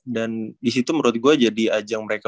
dan disitu menurut gue jadi ajang mereka